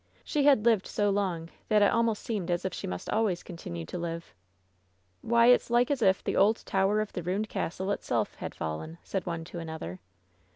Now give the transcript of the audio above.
She had lived so long that it almost seemed as if she must always continue to live. *Why, it's like as if the old tower of the rained castle itself had fallen !" said one to another.